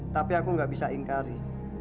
tapi aku nggak bisa ingkari